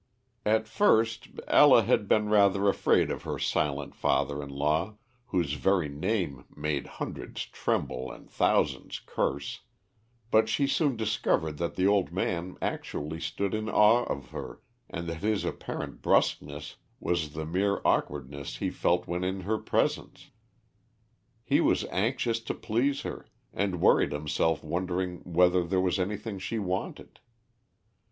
At first Ella had been rather afraid of her silent father in law, whose very name made hundreds tremble and thousands curse, but she soon discovered that the old man actually stood in awe of her, and that his apparent brusqueness was the mere awkwardness he felt when in her presence. He was anxious to please her, and worried himself wondering whether there was anything she wanted.